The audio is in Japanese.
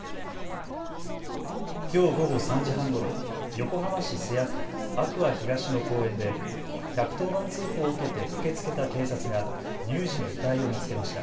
きょう午後３時半ごろ横浜市瀬谷区阿久和東の公園で１１０番通報を受けて駆けつけた警察が乳児の遺体を見つけました。